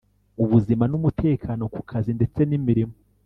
ubuzima n umutekano ku kazi ndetse n imirimo